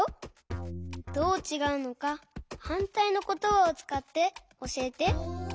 どうちがうのかはんたいのことばをつかっておしえて。